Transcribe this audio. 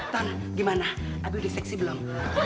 ton gimana abis udah seksi belum